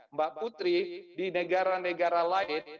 mbak putri di negara negara lain